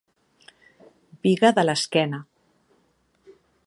Biga de l'esquena.